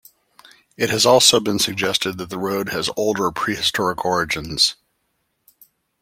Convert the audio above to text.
It has also been suggested that the road has older prehistoric origins.